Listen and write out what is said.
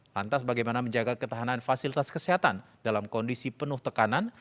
lantas bagaimana menjaga ketahanan fasilitas kesehatan dalam kondisi penuh tekanan